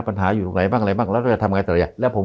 ปัญหาอยู่ทรงไหนบ้างอะไรบ้างแล้วใช้ความเทิ้งจะทำยังไงต่างละเนี่ย